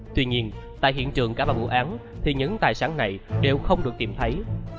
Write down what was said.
tuy nhiên tại hiện trường cả ba vụ án thì những tài sản này đều không được tìm thấy